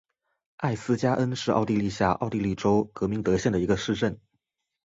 艾斯加恩是奥地利下奥地利州格明德县的一个市镇。